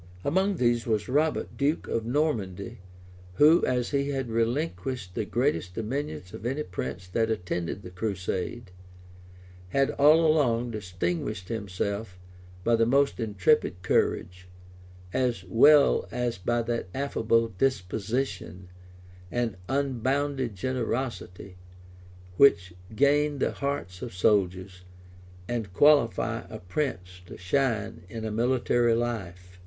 Among these was Robert, duke of Normandy, who, as he had relinquished the greatest dominions of any prince that attended the crusade, had all along distinguished himself by the most intrepid courage, as well as by that affable disposition and unbounded generosity which gain the hearts of soldiers, and qualify a prince to shine in a military life.